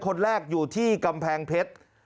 คนแรกอยู่ที่กำแพงเพชร